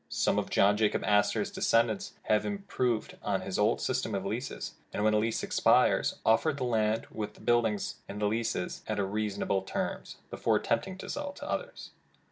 Some of John Jacob Astor 's descendents have improved on this old system of leases, and when a lease expires, offer the land with its build ings to the lessee at reasonable terms, before attempt ing to sell to others.